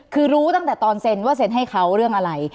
คือรู้ตั้งแต่ตอนเซ็นว่าเซ็นให้เขาเรื่องอะไร